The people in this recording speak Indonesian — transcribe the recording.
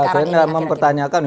nggak saya nggak mempertanyakan